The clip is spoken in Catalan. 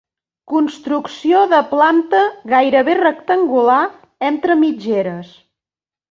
Construcció de planta gairebé rectangular entre mitgeres.